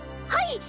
はい！